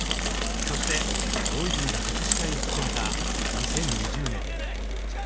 そして大泉が初司会を務めた２０２０年。